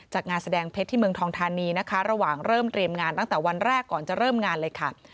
งานแสดงเพชรที่เมืองทองทานีนะคะระหว่างเริ่มเตรียมงานตั้งแต่วันแรกก่อนจะเริ่มงานเลยค่ะ